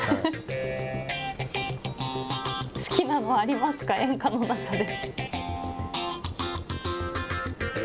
好きなのありますか、演歌の中で。